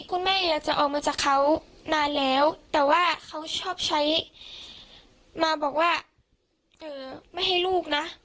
คุณแม่อยากจะออกมาจากเขานานแล้วแต่ว่าเขาชอบใช้มาบอกว่าไม่ให้ลูกนะ